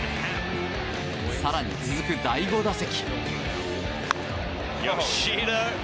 更に続く、第５打席。